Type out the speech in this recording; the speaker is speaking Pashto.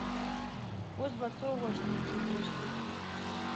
اوس به څو وژنې چې ډېر شول.